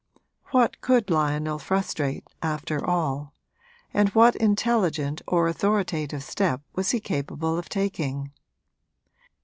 What could Lionel frustrate, after all, and what intelligent or authoritative step was he capable of taking?